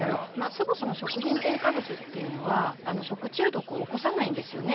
そもそも食品添加物っていうのは食中毒を起こさないんですよね。